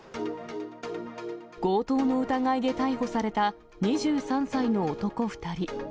強盗の疑いで逮捕された、２３歳の男２人。